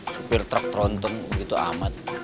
supir truk trontong begitu amat